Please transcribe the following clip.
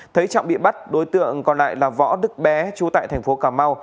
thấy trọng bị bắt đối tượng còn lại là võ đức bé trú tại thành phố cà mau